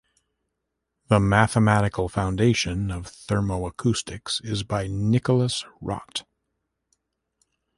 The mathematical foundation of thermoacoustics is by Nikolaus Rott.